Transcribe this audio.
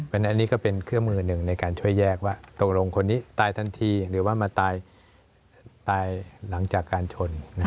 อันนี้ก็เป็นเครื่องมือหนึ่งในการช่วยแยกว่าตกลงคนนี้ตายทันทีหรือว่ามาตายหลังจากการชน